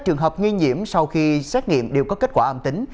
hai trường hợp nghi nhiễm sau khi xét nghiệm đều có kết quả âm tính